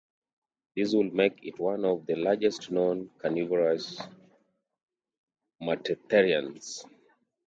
This would make it one of the largest known carnivorous metatherians.